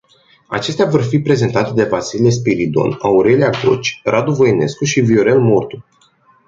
Acestea vor fi prezentate de Vasile Spiridon, Aurelia Goci, Radu Voinescu și Viorel Mortu.